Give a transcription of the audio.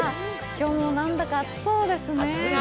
今日もなんだか暑そうですね。